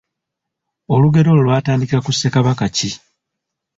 Olugero olwo lwatandikira ku Ssekabaka ki?